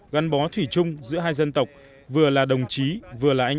gắn bó thủy chung giữa hai dân tộc vừa là đồng chí vừa là anh